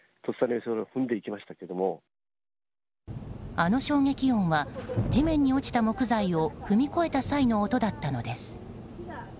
あの衝撃音は地面に落ちた木材を踏み越えた際の音だったのです。